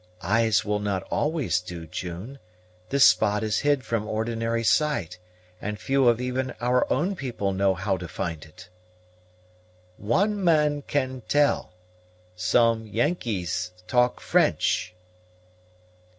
"Eyes will not always do, June, This spot is hid from ordinary sight, and few of even our own people know how to find it." "One man can tell; some Yengeese talk French."